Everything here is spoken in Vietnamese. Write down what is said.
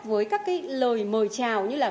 với các lời mời trào như là